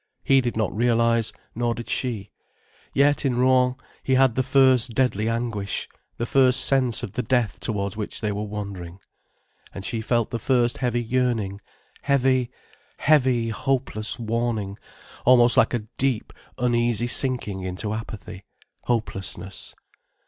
He did not realize, nor did she. Yet in Rouen he had the first deadly anguish, the first sense of the death towards which they were wandering. And she felt the first heavy yearning, heavy, heavy hopeless warning, almost like a deep, uneasy sinking into apathy, hopelessness.